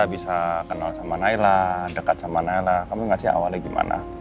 kita bisa kenal sama nailah dekat sama nailah kamu ngasih awalnya gimana